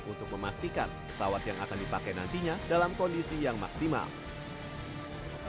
untuk memastikan pesawat yang akan dipakai nantinya dalam kondisi yang maksimal